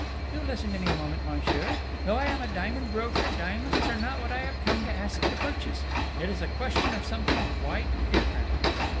"Do listen to me a moment, monsieur!... Though I am a diamond broker, diamonds are not what I have come to ask you to purchase ... it is a question of something quite different...."